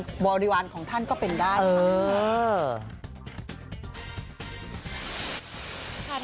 บริวารของท่านก็เป็นได้ค่ะ